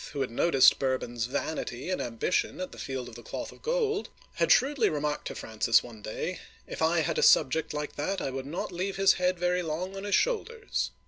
who had noticed Bourbon's vanity and ambition at the Field of the Cloth of Gold, had shrewdly remarked to Francis one day, If I had a subject like that, I would not leave his head very long on his shoulders